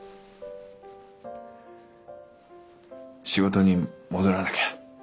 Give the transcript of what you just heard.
仕事に戻らなきゃ。